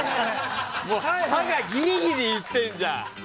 歯がギリギリいってんじゃん。